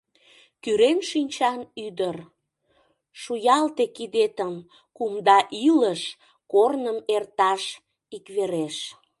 Кӱрен шинчан ӱдыр, Шуялте кидетым Кумда илыш корным Эрташ иквереш.